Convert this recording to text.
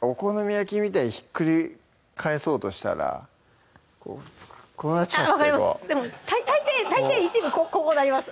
お好み焼きみたいにひっくり返そうとしたらこうこうなっちゃって分かります大抵一部こうなります